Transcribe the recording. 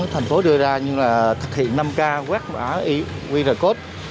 thành phố đưa ra nhưng thực hiện năm k quét mã qr code